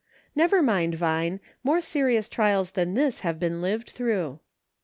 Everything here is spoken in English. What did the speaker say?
Never mind, Vine, more serious trials than this have been lived through."